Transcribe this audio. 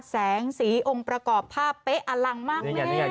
แสงสีองค์ประกอบภาพเป๊ะอลังมากเลย